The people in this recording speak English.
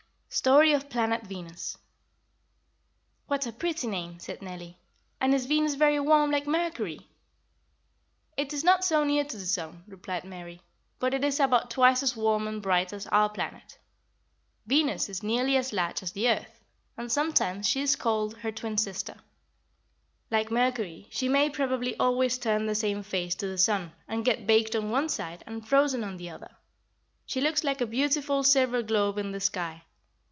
STORY OF PLANET VENUS. "What a pretty name," said Nellie; "and is Venus very warm, like Mercury?" "It is not so near to the sun," replied Mary, "but it is about twice as warm and bright as our planet. Venus is nearly as large as the earth, and sometimes she is called her twin sister. "Like Mercury, she may probably always turn the same face to the sun, and get baked on one side and frozen on the other. She looks like a beautiful silver globe in the sky.